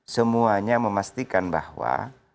semuanya memastikan bahwa